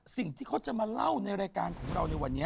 สิ่งที่เขาจะมาเล่าในรายการของเราในวันนี้